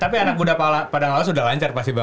tapi anak buddha padang lawas udah lancar pasti bang